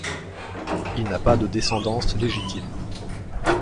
Il n'a pas de descendance légitime.